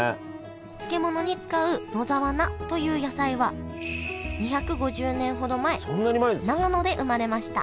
漬物に使う「野沢菜」という野菜は２５０年ほど前長野で生まれました